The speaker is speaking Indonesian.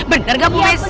bener gak bu messi